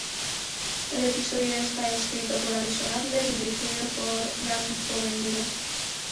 El episodio está escrito por Allison Adler y dirigido por Dan Povenmire.